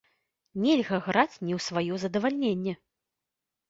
Нельга граць не ў сваё задавальненне!